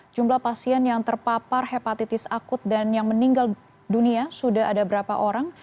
jumlah pasien yang terpapar hepatitis akut dan yang meninggal dunia sudah ada berapa orang